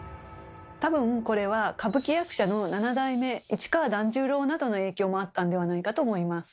多分これは歌舞伎役者の７代目市川團十郎などの影響もあったんではないかと思います。